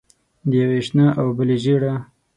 د یوې شنه او د بلې ژېړه.